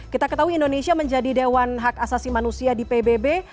kita ketahui indonesia menjadi dewan hak asasi manusia di pbb